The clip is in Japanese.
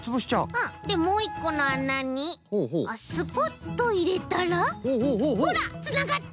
うんでもういっこのあなにスポッといれたらほらつながった！